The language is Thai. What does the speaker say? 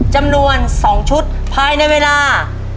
จำนวน๒ชุดภายในเวลา